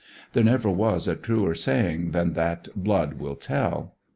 There never was a truer saying than that "Blood will tell."